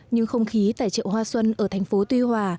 nhưng không khí tại chợ hoa xuân ở tp tuy hoa